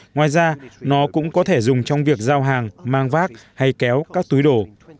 ngoài ra nó cũng có thể dùng trong việc giao hàng mang vác hay kéo các túi đồ